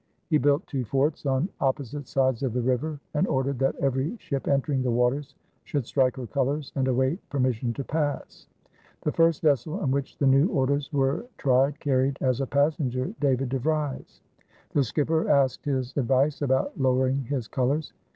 He built two forts on opposite sides of the river and ordered that every ship entering the waters should strike her colors and await permission to pass. The first vessel on which the new orders were tried carried as a passenger David de Vries. The skipper asked his advice about lowering his colors.